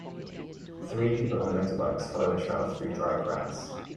Three people on motorbikes follow a trail through dry grass.